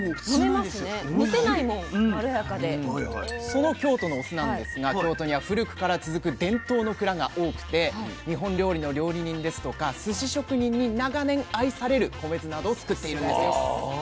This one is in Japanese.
その京都のお酢なんですが京都には古くから続く伝統の蔵が多くて日本料理の料理人ですとかすし職人に長年愛される米酢などをつくっているんですよ。